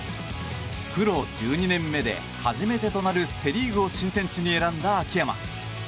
プロ１２年目で初めてとなるセ・リーグを新天地に選んだ秋山。